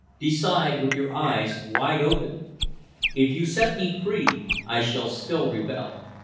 Decide with your eyes wide open. If you set me free I shall still rebel.